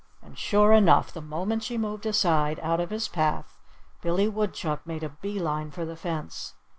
And sure enough! The moment she moved aside, out of his path, Billy Woodchuck made a bee line for the fence.